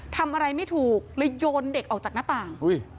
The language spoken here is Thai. ทำอะไรไม่ถูกเลยโยนเด็กออกจากหน้าต่าง